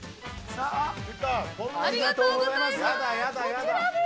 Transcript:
ありがとうございます。